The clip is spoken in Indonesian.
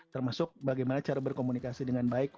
termasuk bagaimana cara berkomunikasi dengan baik